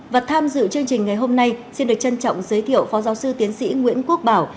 và tham dự chương trình ngày hôm nay xin được trân trọng giới thiệu phó giáo sư tiến sĩ nguyễn quốc bảo